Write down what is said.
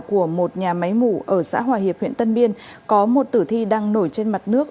của một nhà máy mủ ở xã hòa hiệp huyện tân biên có một tử thi đang nổi trên mặt nước